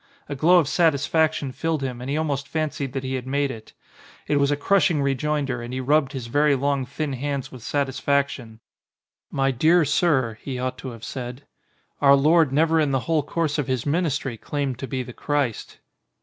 A glow of satisfaction filled him and he almost fancied that he had made it. It was a crushing rejoinder and he rubbed his very long thin hands with satisfaction. 'My dear Sir,' he ought to have said, 'Our Lord never in the whole course of his ministry claimed to be the Christ."